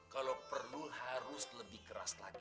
kalau perlu harus lebih keras lagi